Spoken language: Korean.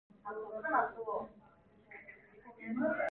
다만 이 무덤 같은 침묵을 깨뜨린다느니보다 한 층 더 침묵을 깊게 했다